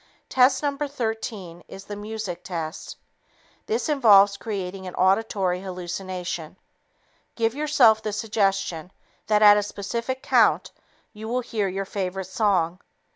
Test No. 13 is the "music" test. This test involves creating an auditory hallucination. Give yourself the suggestion that at a specific count you will hear your favorite song.